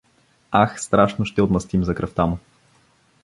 … Ах, страшно ще отмъстим за кръвта му!